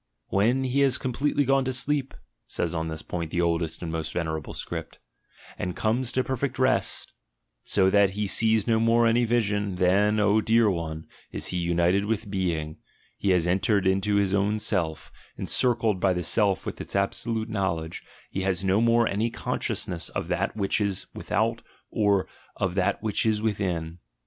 "When he has completely gone to sleep," says on this point the oldest and most venerable "script," "and come to perfect rest, so that ASCETIC IDEALS 143 1 sees no more any vision, then, oh dear one, is he united ith Being, he has entered into his own self — encircled by le Self with its absolute knowledge, he has no more any msciousness of that which is without or of that which within.